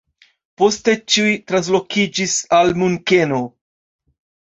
Poste ĉiuj translokiĝis al Munkeno.